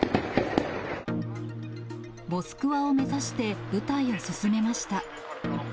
モスクワを目指して部隊を進めました。